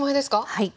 はい。